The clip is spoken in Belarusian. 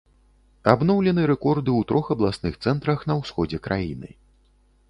Абноўлены рэкорды ў трох абласных цэнтрах на ўсходзе краіны.